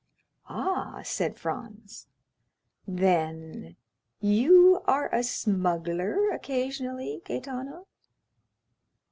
"Ah!" said Franz, "then you are a smuggler occasionally, Gaetano?"